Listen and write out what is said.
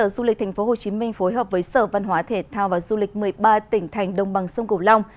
du lịch tp hcm phối hợp với sở văn hóa thể thao và du lịch một mươi ba tỉnh thành đông bằng sông cổ long